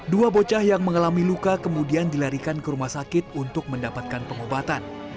dua bocah yang mengalami luka kemudian dilarikan ke rumah sakit untuk mendapatkan pengobatan